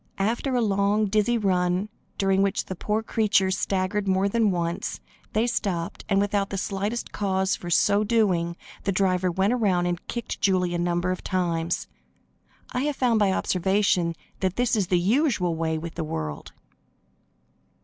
After a long, dizzy run, during which the poor creatures staggered more than once, they stopped, and, without the slightest cause for so doing, the driver went around and kicked Julie a number of times. I have found by observation that this is the usual way with the world.